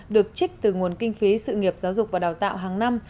được trích từ nguồn kinh phí sự nghiệp giáo dục và đào tạo hàng năm